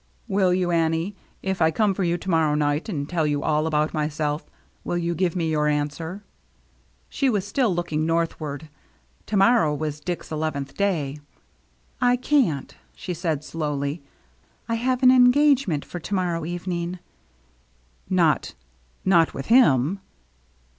Will you, Annie? If I come for you to morrow night and tell you all about myself, will you give me your answer ?" She was still looking northward ; to morrow was Dick's eleventh day. " I can't," she said slowly ;" I have an engagement for to morrow evening." " Not — not with him